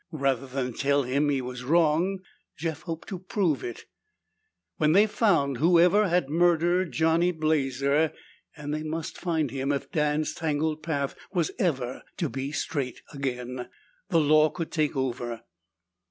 Rather than tell him he was wrong, Jeff hoped to prove it. When they found whoever had murdered Johnny Blazer and they must find him if Dan's tangled path was ever to be straight again the law could take over.